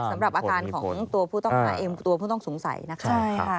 สำหรับอาการของตัวผู้ต้องหาเองตัวผู้ต้องสงสัยนะคะใช่ค่ะ